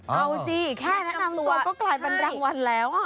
เอาสิแค่แนะนำตัวก็กลายเป็นรางวัลแล้ว